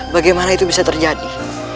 bagaimana itu bisa terjadi